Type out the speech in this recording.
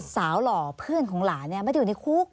หล่อเพื่อนของหลานไม่ได้อยู่ในคุก